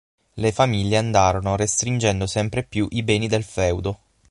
Le famiglie andarono restringendo sempre più i beni del feudo.